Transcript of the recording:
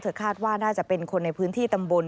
คาดว่าน่าจะเป็นคนในพื้นที่ตำบล